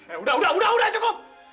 eh udah udah cukup